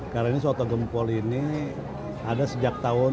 karena ini soto gempol ini ada sejak tahun seribu sembilan ratus tujuh puluh